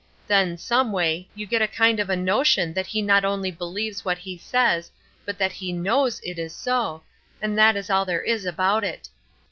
Then, someway, you get a kind of a notion that he not only believes what he says but that he knows it is so, and that is all there is about it.